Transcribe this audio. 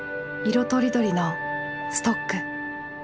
色とりどりのストック。